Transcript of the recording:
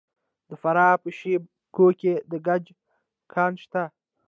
د فراه په شیب کوه کې د ګچ کان شته.